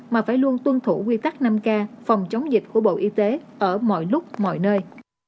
mà phải luôn tuân thủ quy tắc năm k phòng chống dịch của bộ y tế ở mọi lúc mọi nơi